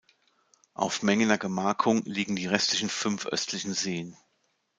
Auf Mengener Gemarkung liegen die restlichen fünf östlichen Seen.